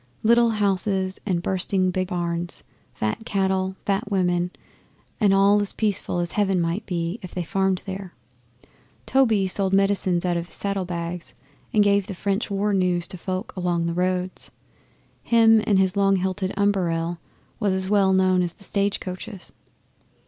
Little houses and bursting big barns, fat cattle, fat women, and all as peaceful as Heaven might be if they farmed there. Toby sold medicines out of his saddlebags, and gave the French war news to folk along the roads. Him and his long hilted umberell was as well known as the stage coaches.